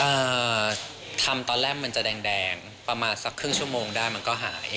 อ่าทำตอนแรกมันจะแดงแดงประมาณสักครึ่งชั่วโมงได้มันก็หาย